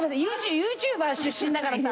ＹｏｕＴｕｂｅｒ出身だからさ。